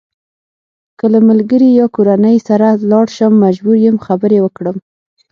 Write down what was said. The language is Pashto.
که له ملګري یا کورنۍ سره لاړ شم مجبور یم خبرې وکړم.